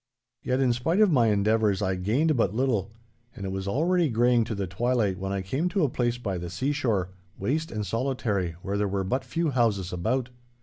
Yet, in spite of my endeavours, I gained but little. And it was already greying to the twilight when I came to a place by the seashore, waste and solitary, where there were but few houses about.